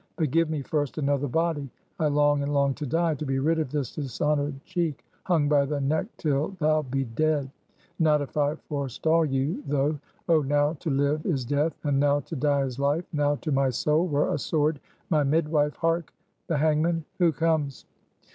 But give me first another body! I long and long to die, to be rid of this dishonored cheek. Hung by the neck till thou be dead. Not if I forestall you, though! Oh now to live is death, and now to die is life; now, to my soul, were a sword my midwife! Hark! the hangman? who comes?"